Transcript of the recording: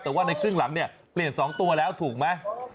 แต่ว่าในครึ่งหลังเนี่ยเปลี่ยน๒ตัวแล้วถูกไหม